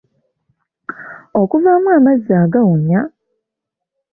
Okuvaamu amazzi agawunya?